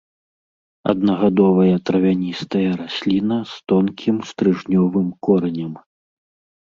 Аднагадовая травяністая расліна з тонкім стрыжнёвым коранем.